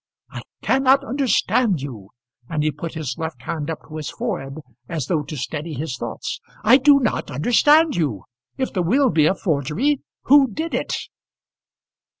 "I cannot understand you." And he put his left hand up to his forehead as though to steady his thoughts. "I do not understand you. If the will be a forgery, who did it?"